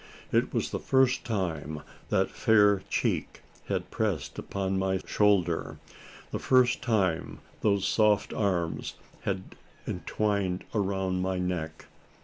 It was the first time that fair cheek had pressed upon my shoulder the first time those soft arms had entwined around my neck!